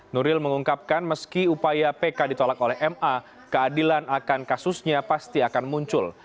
nuril mengungkapkan meski upaya pk ditolak oleh ma keadilan akan kasusnya pasti akan muncul